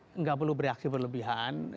tidak perlu bereaksi berlebihan